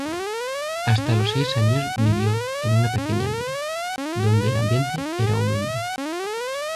Hasta los seis años vivió en una pequeña aldea, donde el ambiente era humilde.